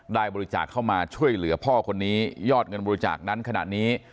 บริจาคเข้ามาช่วยเหลือพ่อคนนี้ยอดเงินบริจาคนั้นขณะนี้